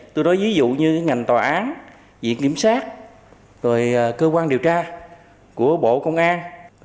tôi nói ví dụ như ngành tòa án viện kiểm sát cơ quan điều tra của bộ công an